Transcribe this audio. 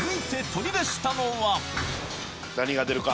何が出るか？